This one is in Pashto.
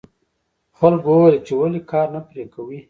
خلکو وویل چې ولې کار نه پرې کوې.